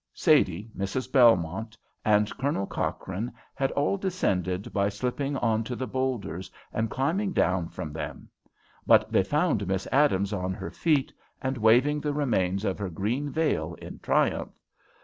Sadie, Mrs. Belmont, and Colonel Cochrane had all descended by slipping on to the boulders and climbing down from them. But they found Miss Adams on her feet, and waving the remains of her green veil in triumph.